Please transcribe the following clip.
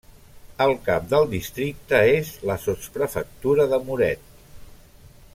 El cap del districte és la sotsprefectura de Muret.